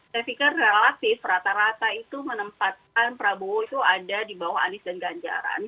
saya pikir relatif rata rata itu menempatkan prabowo itu ada di bawah anies dan ganjaran